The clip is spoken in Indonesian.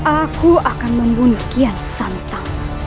aku akan membunuh kian santang